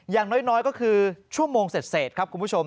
อย่างน้อยก็คือชั่วโมงเสร็จครับคุณผู้ชม